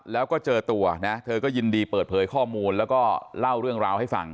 แล้วก็เจอตัวนะเธอก็ยินดีเปิดเผยข้อมูลแล้วก็เล่าเรื่องราวให้ฟัง